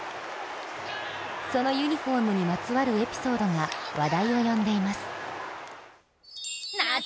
そのユニフォームにまつわるエピソードが話題を呼んでいます。